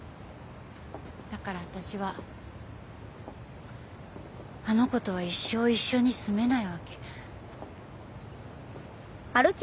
だから私はあの子とは一生一緒に住めないわけ。